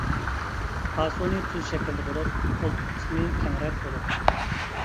پاسونى تۈز شەكىلدە بولۇپ، قولتۇق قىسمى كەڭرەك بولىدۇ.